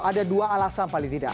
ada dua alasan paling tidak